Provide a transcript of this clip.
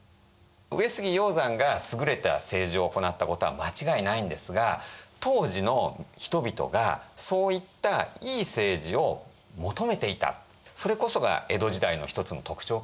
上杉鷹山が優れた政治を行ったことは間違いないんですが当時の人々がそういったいい政治を求めていたそれこそが江戸時代の一つの特徴かなと思います。